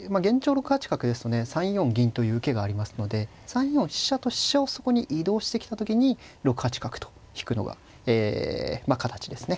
６八角ですとね３四銀という受けがありますので３四飛車と飛車をそこに移動してきた時に６八角と引くのが形ですね。